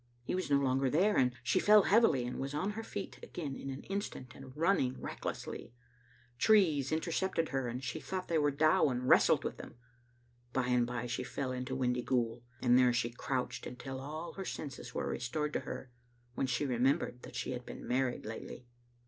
He was no longer there, and she fell heavily, and was on her feet again in an instant and running recklessly. Trees in tercepted her, and she thought they were Dow, and wrestled with them. By and by she fell into Windy ghoul, and there she crouched until all her senses were restored to her, when she remembered that she had been married lately.